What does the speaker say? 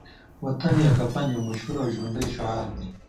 وطن یا کفن يو مشهور او ژوندی شعار دی